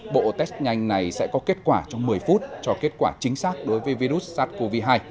bộ test nhanh này sẽ có kết quả trong một mươi phút cho kết quả chính xác đối với virus sars cov hai